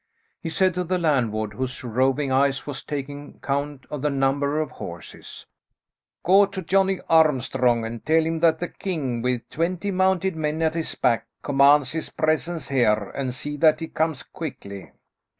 He said to the landlord, whose roving eye was taking count of the number of horses, "Go to Johnny Armstrong and tell him that the king, with twenty mounted men at his back, commands his presence here, and see that he comes quickly."